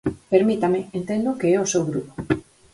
Permítame, entendo que é o seu grupo.